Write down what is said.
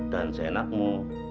kamu bisa mencari anakmu